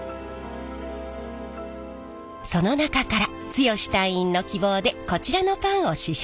その中から剛隊員の希望でこちらのパンを試食させてもらいます。